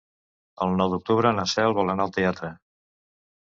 El nou d'octubre na Cel vol anar al teatre.